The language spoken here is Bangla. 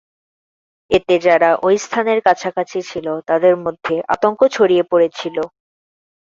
এতে যারা ঐ স্থানের কাছাকাছি ছিল তাদের মধ্যে আতঙ্ক ছড়িয়ে পড়েছিল।